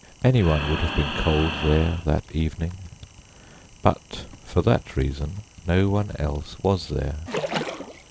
Anyone would have been cold there that evening; but, for that reason, no one else was there.